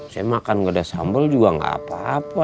saya makan gede sambal juga nggak apa apa